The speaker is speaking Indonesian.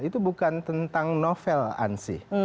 itu bukan tentang novel ansih